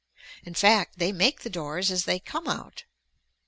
In fact they make the doors as they come out.